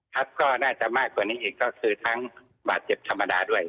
ครับก็น่าจะมากกว่านี้อีกก็คือทั้งบาดเจ็บธรรมดาด้วย